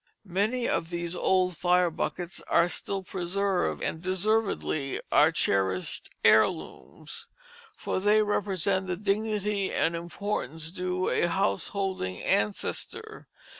Many of these old fire buckets are still preserved, and deservedly are cherished heirlooms, for they represent the dignity and importance due a house holding ancestor.